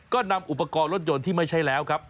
ก็นำอุปกรณ์รถยนต์ที่ไม่ใช่แล้วครับ